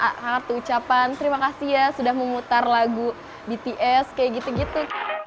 sangat kartu ucapan terima kasih ya sudah memutar lagu bts kayak gitu gitu